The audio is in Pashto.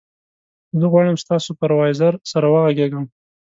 زه غواړم ستا سوپروایزر سره وغږېږم.